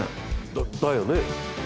だだよね？